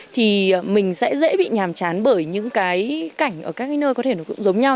thì mình sẽ dễ bị nhàm chán bởi những cái cảnh ở các cái nơi có thể nó cũng giống nhau